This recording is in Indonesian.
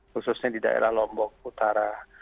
khususnya di daerah lombok utara